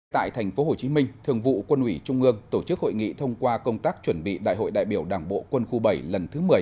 tại tp hcm thường vụ quân ủy trung ương tổ chức hội nghị thông qua công tác chuẩn bị đại hội đại biểu đảng bộ quân khu bảy lần thứ một mươi